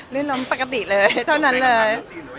ื่นล้มปกติเลยเท่านั้นเลย